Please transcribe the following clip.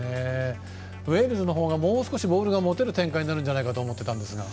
ウェールズの方がもう少しボールを持てる展開になるんじゃないかと思っていたんですが。